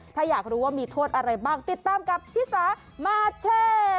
ถ้าอยากรู้ว่ามีโทษอะไรบ้างติดตามกับชิสามาเช่